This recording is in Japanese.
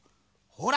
ほら！